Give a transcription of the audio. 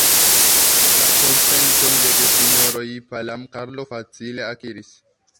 La konsenton de gesinjoroj Palam, Karlo facile akiris.